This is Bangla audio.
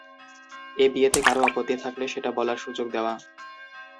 এ বিয়েতে কারও আপত্তি থাকলে, সেটা বলার সুযোগ দেওয়া।